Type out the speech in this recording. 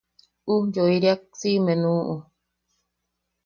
Ujyoiriak siʼime nuʼu.